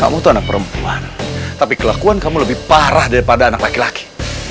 kamu tuh anak perempuan tapi kelakuan kamu lebih parah daripada anak laki laki